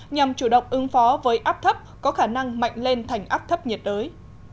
nhằm chủ động ứng phó với áp thấp có khả năng mạnh lên thành áp thấp nhiệt đới